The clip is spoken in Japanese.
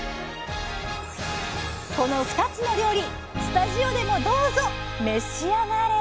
この２つの料理スタジオでもどうぞ召し上がれ！